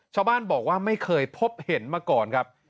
ชาวบ้านบอกว่าไม่เคยพบเห็นมาก่อนครับ